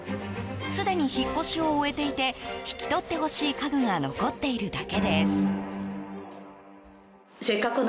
すでに引っ越しを終えていて引き取ってほしい家具が残っているだけです。